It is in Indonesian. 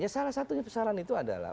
ya salah satunya saran itu adalah